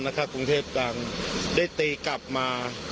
นะคะกรุงเทพฯตรังได้ทีกลับมา